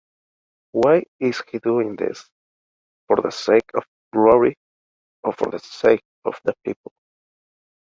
Why is he doing this: for the sake of glory or for the sake of the people?